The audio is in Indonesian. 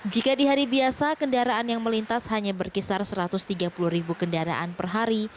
jika di hari biasa kendaraan yang melintas hanya berkisar satu ratus tiga puluh ribu kendaraan per hari